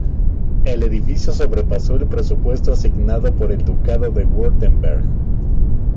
El edificio sobrepasó el presupuesto asignado por el Ducado de Wurtemberg.